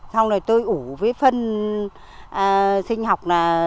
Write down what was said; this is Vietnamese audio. xong rồi tôi ủ với phân sinh học